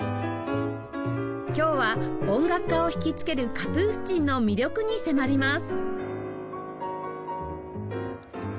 今日は音楽家を惹きつけるカプースチンの魅力に迫ります